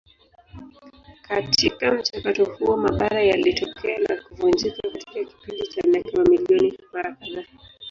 Katika mchakato huo mabara yalitokea na kuvunjika katika kipindi cha miaka mamilioni mara kadhaa.